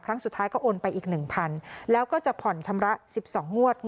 ครั้งสุดท้ายก็โอนไปอีก๑๐๐๐แล้วก็จะผ่อนชำระ๑๒งวด